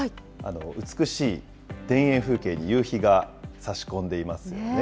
美しい田園風景に夕日がさし込んでいますよね。